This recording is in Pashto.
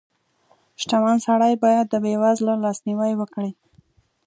• شتمن سړی باید د بېوزلو لاسنیوی وکړي.